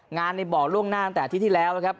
งานในบ่อล่วงหน้าตั้งแต่ที่แล้วนะครับ